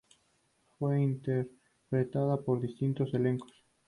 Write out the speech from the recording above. Fue interpretada por distintos elencos.